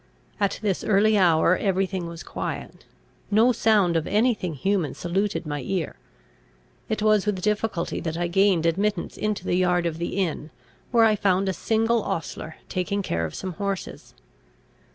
At this early hour every thing was quiet; no sound of any thing human saluted my ear. It was with difficulty that I gained admittance into the yard of the inn, where I found a single ostler taking care of some horses.